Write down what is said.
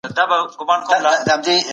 پوهان وايي چي سياست بايد يوازي نظري نه وي.